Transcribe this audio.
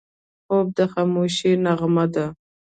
خوب د خاموشۍ نغمه ده